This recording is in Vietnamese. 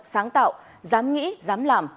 sáng tạo dám nghĩ dám làm